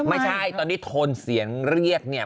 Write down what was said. ไม่ใช่ตอนนี้โทนเสียงเรียกเนี่ย